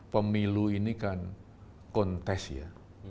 pemilu ini kan kontes ya